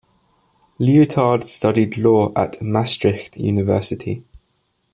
Liotard studied law at Maastricht University.